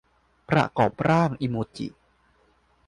ประกอบร่างอิโมจิ